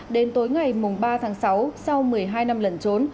đến tối ngày ba tháng sáu sau một mươi hai năm lẩn trốn